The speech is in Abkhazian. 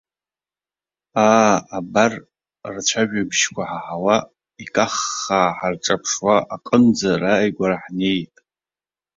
Аа, абар, рцәажәабжьқәа ҳаҳауа, икаххаа ҳарҿаԥшуа аҟынӡа рааигәара ҳнеит.